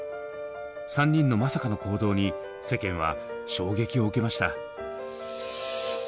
３人のまさかの行動に世間は衝撃を受けました。